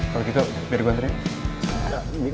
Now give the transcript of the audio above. kalau gitu biar gue anterin